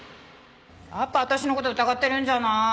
やっぱり私の事疑ってるんじゃない！